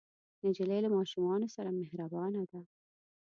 نجلۍ له ماشومانو سره مهربانه ده.